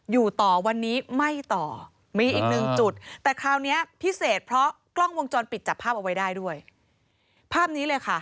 อยู่ต่อวันนี้ไม่ต่อมีอีกหนึ่งจุดแต่คราวเนี้ยพิเศษเพราะกล้องวงจรปิดจับภาพเอาไว้ได้ด้วยภาพนี้เลยค่ะ